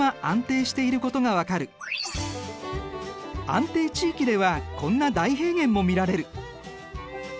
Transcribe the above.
安定地域ではこんな大平原も見られる。